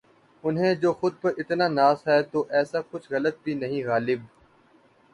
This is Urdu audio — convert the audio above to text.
انہیں جو خود پر اتنا ناز ہے تو ایسا کچھ غلط بھی نہیں غالب